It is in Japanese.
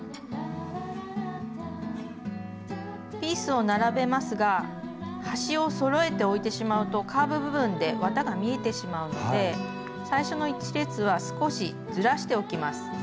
ピースを並べますが端をそろえて置いてしまうとカーブ部分で綿が見えてしまうので最初の１列は少しずらして置きます。